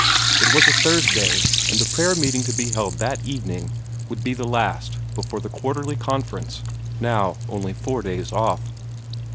It was a Thursday, and the prayer meeting to be held that evening would be the last before the Quarterly Conference, now only four days off.